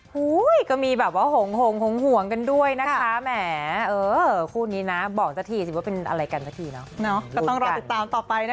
หู้ยก็มีแบบว่าหงห่วงห่วงกันด้วยนะคะแหม